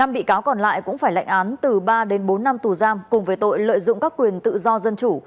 một mươi bị cáo còn lại cũng phải lệnh án từ ba đến bốn năm tù giam cùng với tội lợi dụng các quyền tự do dân chủ